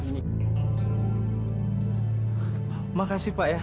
terima kasih pak ya